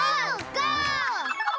ゴー！